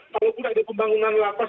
kalau tidak ada pembangunan lapas